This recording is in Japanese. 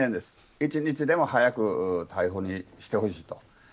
一日でも早く逮捕してほしいと。